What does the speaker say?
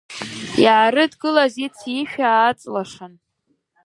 Иаарыдгылаз ици-ишәи ааҵлашаан…